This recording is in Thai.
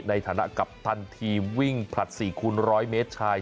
ในฐานะกัปตันทีมวิ่งผลัด๔คูณ๑๐๐เมตรชาย